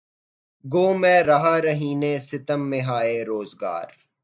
گو میں رہا رہینِ ستمہائے روزگار